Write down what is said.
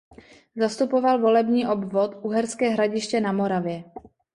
Zastupoval volební obvod Uherské Hradiště na Moravě.